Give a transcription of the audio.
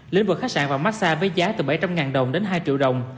lĩnh vực khách sạn và massa với giá từ bảy trăm linh đồng đến hai triệu đồng